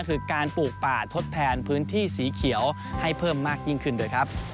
คือการปลูกป่าทดแทนพื้นที่สีเขียวให้เพิ่มมากยิ่งขึ้นด้วยครับ